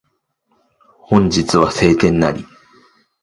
本日は晴天なり